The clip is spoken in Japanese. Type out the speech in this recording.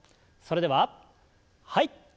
それでははい。